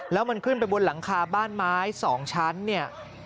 แล้วมันขึ้นไปบนหลังคาบ้านไม้๒ชั้นเนี่ย